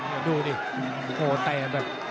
คุณนี้เคยมาชกที่ศึกย้ำโดยไทยรัฐด้วยนะใช่แฟนโดยไทยรัฐต้องจำได้นะ